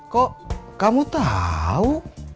kok kamu tau